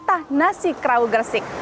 dan nasi kerau gersik